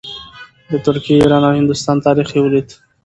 د ترکیې، ایران او هندوستان تاریخ یې ولید.